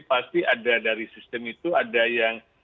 pasti ada dari sistem itu ada yang